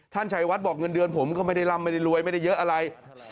ชัยวัดบอกเงินเดือนผมก็ไม่ได้ร่ำไม่ได้รวยไม่ได้เยอะอะไร